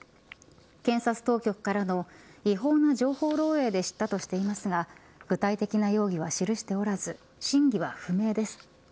検察当局からの違法な情報漏えいで知ったとしていますが具体的な容疑は記しておらず真偽は不明です。